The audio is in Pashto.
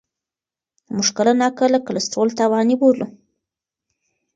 موږ کله ناکله کلسترول تاواني بولو.